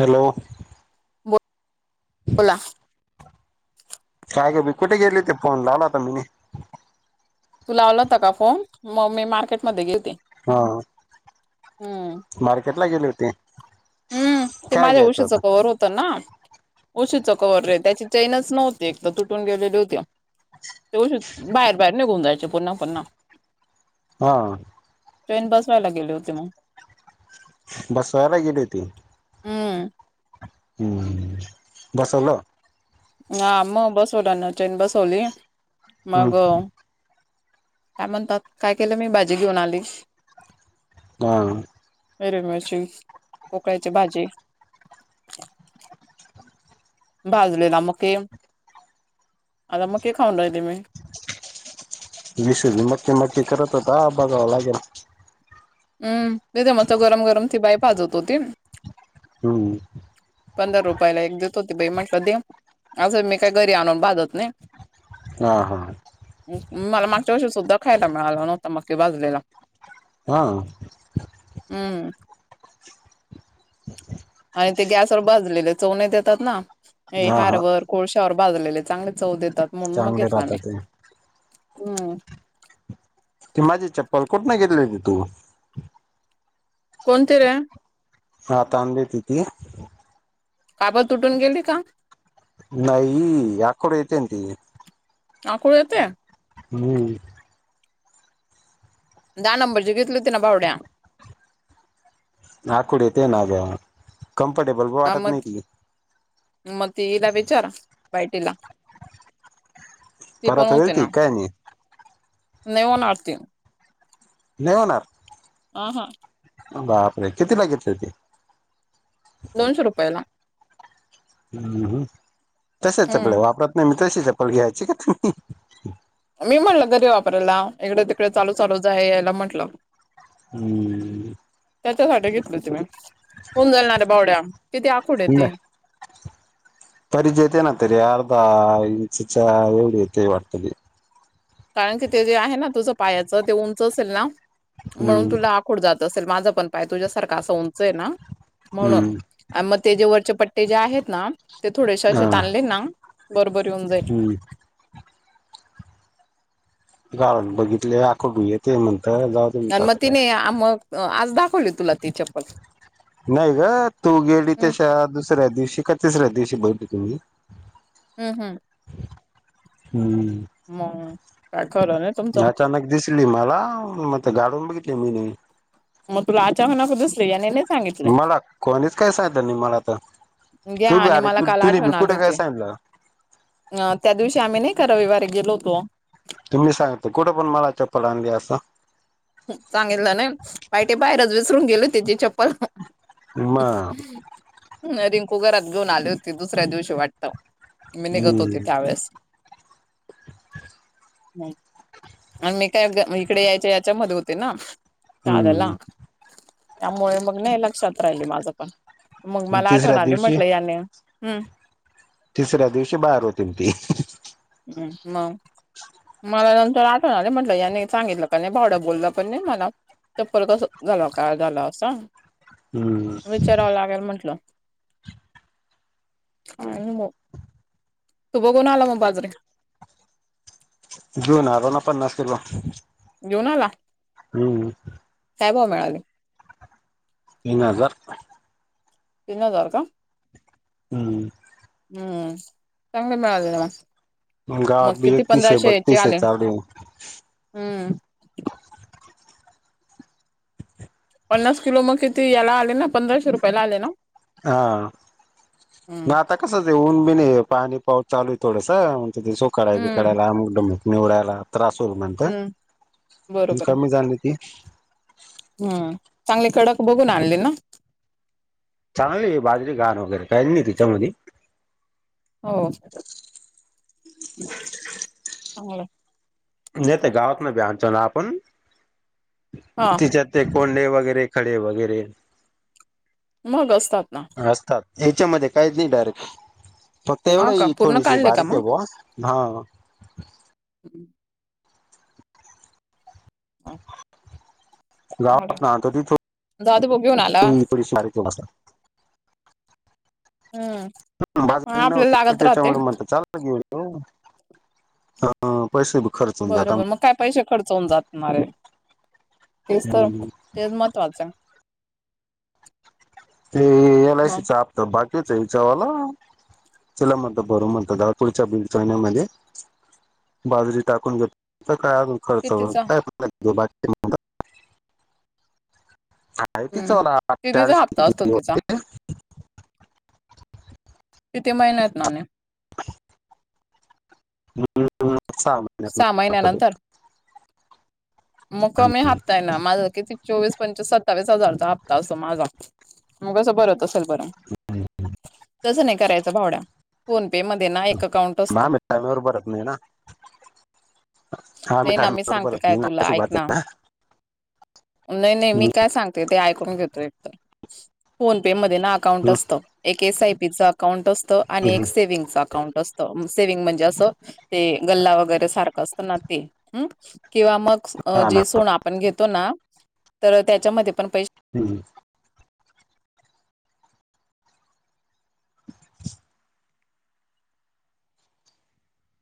Hello. बोला. कायग बी कुठे गेले ते फोन आला आता मीने तुला आवला होता का फोन मग मी मार्केटमध्येध्ये घे होते हा हम् मार्केट ला गेले होती हम्म ते माझ्या उशीचं कवर होतं ना उशीचं कवर रे त्याची चैनच नव्हती एक तर तुटून गेलेली होती ते बाहेर बाहेर निघून जायचे पुन्हा पुन्हा हम ट्रेन बसवायला गेले होती मग बसयाला गेली होती हम बसल ह मग बस होलाना चेन बसवली हम्म मग काय म्हणतात काय केलं मी भाजी घेऊन आली ह हर मिळची पोकळा्याची भाजी भाजलेला मगक आता मगक खाऊन राहिते मी विस मटके मटकी करत होात ह बघावा लागेल हम्म तेथ मस्स गरम गरम ती बाई भाजवत होती हम्म पंधरा रुपयाला एक देत होती पेमेंटला दे अजून मी काय घरी आणून बाधत नाही हम हा मला मागच्या वषी सुद्धा खायला मिळालं नव्हता मग ते भाजलेला हा हम् आणि ते गॅसवर भाजलेले चवनेत येतात ना हे हा हा हारवर कोळश्यावर भाजलेले चांगले चव देतात म्हणून मग चांगले घेतला नाही राहतात ते हम ते माझी चप्पल कुठ नाही घेतली हो त तू कोणतीरे हा तांदले ति ती काब तुटून गेली का नाहीई याकड येत त काकड येत हम्म दहा नंबरचे घेतले हो ना भावड्या आकोड येते ना ब कम्फर्टेबल ब वाटत नाही त मत इला विचार बैटला ते पण परत होईल होते ती ना काय नाही नेवन आरती नाही होणार अ हा बापर कतीला घेत ते दोनशे रुपयाला हम तश चपल हम्म वापरत नाही मी तशी चपल घ्यायची का तुम्ही मी म्हटलं घरी वापरायला इकडे तिकडे चालू चालूच आहे यायला म्हटलं हम्म त्याच्यासाठी घेतलं तु मी उुंजलणारे बावड्या किती आकूड ते परिचयेते ना तरी अर्धा इंचच्या एवढी येते वाटतली कारण कि ते जे आहे ना तुझं पायाचं ते उंच असेल ना म्हणून हम्म तुला कठ जात असेल माझं पण पाय तुझ्यासारखं असं उंचय ना म्हणून हम्म आणि मग ते जे वरचे पट्टे जे आहेत ना ते थोडेसे हा असे त आणले ना बरोबर येऊन जाईल. हम्म काण बघितले आखोडू येते म्हणत जाऊ. दे म्हणत आणि मग आता काय. तिने मग आज दाखवली तुला ती चप्पल. नाही ग तू गेली हम्म त्याच्याा दुसऱ्या दिवशी का तिसऱ्या दिवशी बली तुम्ही. हम् हम्. हम्म. म काय चालय तूमच. ली मला म गालून बघितली मी. मग तुला अचाहनाकस या. मला कोणीच काय सांगित नाही मला तर घ्या तू बी आणि अरे मला त काल तु बी कुठे काय सांगितलं. अ त्या दिवशी आम्ही नाही का रविवारी गेलो होतो. तुम्ही सांग कुठं पण मला चप्पल आणली असं. सांगितलं नाही बाहि तेे बाहेरच विसरून गेले त्याची चप्पल. म ह रिंकू घरात घेऊन आली होती दुसऱ्या दिवशी वाटत. मी निघत होते हम्म त्या वेळेस. आणि मी काय इकडे यायच्या याच्यामध्येध्ये होते ना साधला. हम्म त्यामुळे मग नाही लक्षात राहिली माझं पण मग मला आठवण तिसऱ्या आली दिवशी म्हटलं याने हम्म. तिसऱ्या दिवशी बाहेर होती ती. मग मला नंतर आठवणाले म्हंटलं या सांगितलं का नाही भाबड्या भाऊ बोलला पण नाही मला च फरकस झाला काय झालं असं. हम्म विचारावां लागेल म्हंटलं. आणि मग तू बघू ण आला मग बाजरे. जाऊन आलोना पन्नास किलो. घेऊनला. हम्म. काय भाव मिळाले? तीन हजार. तीन हजार का? हम्. हम्म चांगली मिळाल. घाठ बी एकतीस ह बत्तीस आहे चालू. हम्. पन्नास किलो मग किती याला आले ना पंधराशे रुपयाला आले ना. हा हम्म म आता कसं येऊन मी नाही पाणी पाऊस चालू आहे थोडं म्हण सोकडायला हम्म बिकायला आंबगडम. निवडायला त्रास होल म्हणत हम्म कमी झाली ती. हम चांगले कडक बघून आणली ना? चांगले आहे बाजरी गाण वगैरे काही नाही त्याच्यामध्ये हो. हो. नाही तर गावात न बी आणतो ना आपण हा तिच्यात. ते कोंडे वगैरे खडे वगैरे. मग असतात ना. असतात याच्यामध्ये काहीच नाही डायरेक्ट फक्त हा एवढं का ह पूर्ण थोडीशी काढले का बारक आहे मग ब. हाव. हम्म ह दादू भाऊ घेऊन आला [inaudible] हम्म बाजारी आपल्याला नव्हती लागत राहते त्याच्यामुळे म्हणत चाललं घेऊ पैसे ब बरोबर मग काय पैसे खर्च हून जातणारे तेच तर हम्म. तेच महत्त्वाचं आहे ते एल आय सी मग चा हफ्ता बाकीच विचावाला तिला म्हणतो भरू म्हणतो जरा पुुढच्या बीडच्या येण्यामध्ये बाजरी टाकून घेतो काय खर्च कितीचा हम्म का कितीचा [inaudible] [inaudible] हप्ता असतो तिचा किती महिन्यातनं आणि [inaudible] सहा महिन्यानंतर [inaudible] मग कमी हफ्ता आहे ना माझं किती चोवीस पंचवीस सत्तावीस हजारचा हफ्ता असतो माझा मग कसं भरत असंलं बरं तसं नाही करायच भावड्या फोन पे मध्ये ना एक अकाउंट ना असतं मी टाइम वर भरत नाही ना हा मी नाही ना टाईम वर सांगते भरत काय नाही तुला अशी ऐक बात आहे ना नाही नाही मी हम्म, काय सांगते ते ऐकून घेतो एक तर फोन पे मध्ये ना अकाउंट हम्म, असतं एक एस आय पी च अकाउंट असतं आणि एक हम्म. सेविंगचं अकाउंट असतं सेविंग म्हणजे असं ते गल्ला वगैरे सारखं असतं ना ते किंवा मग हा ना जे सोनं आपण घेतो ना तर त्याच्यामध्ये पण पैसे हम्